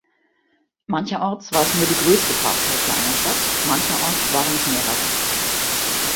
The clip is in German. Mancherorts war es nur die größte Pfarrkirche einer Stadt, mancherorts waren es mehrere.